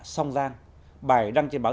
song giang bài đăng trên báo